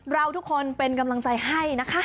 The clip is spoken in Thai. เราทุกคนเป็นกำลังใจให้นะคะ